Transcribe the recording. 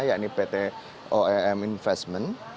yakni pt oem investment